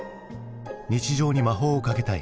日常に魔法をかけたい。